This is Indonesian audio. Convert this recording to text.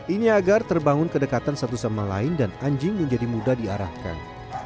ini agar terbangun kedekatan satu sama lain dan anjing menjadi mudah diarahkan